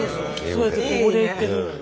そうやってお礼言ってるのよ